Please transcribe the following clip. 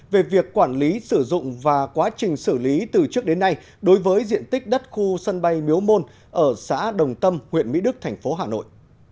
về việc quản lý sử dụng và quá trình xử lý từ trước đến nay đối với diện tích đất khu sân bay miếu môn ở xã đồng tâm huyện mỹ đức thành phố hà nội